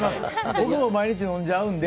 僕も毎日飲んじゃうんで。